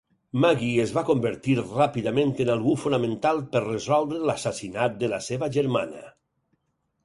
Maggie es va convertir ràpidament en algú fonamental per resoldre l'assassinat de la seva germana.